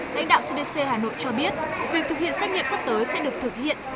lãnh đạo cdc hà nội cho biết việc thực hiện xét nghiệm sắp tới sẽ được thực hiện